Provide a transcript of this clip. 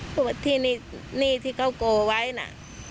เพราะว่าที่นี่ที่เขาโกไว้นะ